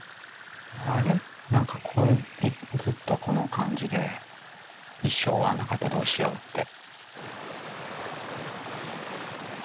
あれ何かこれずっとこの感じで一生終わんなかったらどうしよって。